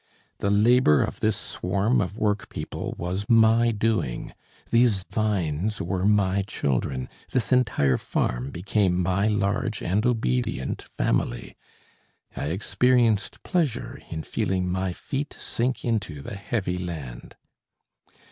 The labour of this swarm of work people was my doing, these vines were my children; this entire farm became my large and obedient family. I experienced pleasure in feeling my feet sink into the heavy land.